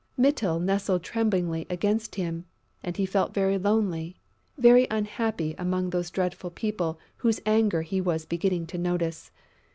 Mytyl nestled trembling against him; and he felt very lonely, very unhappy among those dreadful people whose anger he was beginning to notice.